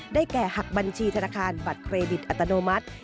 แก่หักบัญชีธนาคารบัตรเครดิตอัตโนมัติ